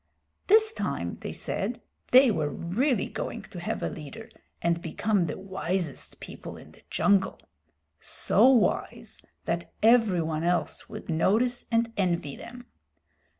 This time, they said, they were really going to have a leader and become the wisest people in the jungle so wise that everyone else would notice and envy them.